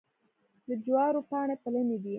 د جوارو پاڼې پلنې دي.